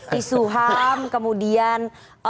tisu ham kemudian